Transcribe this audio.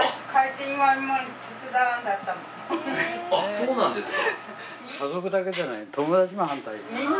そうなんですか。